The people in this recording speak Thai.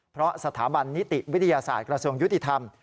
เพราะสถาบันนิติวิทยาศาสตร์กระทรวงยุติธรรม